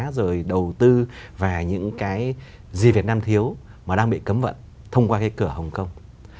rồi đầu tư và những cái gì việt nam thiếu mà đang bị cấm vận thông qua cái cửa hồng kông